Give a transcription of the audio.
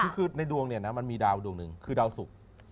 คือในดวงเนี่ยนะมันมีดาวดวงหนึ่งคือดาวสุก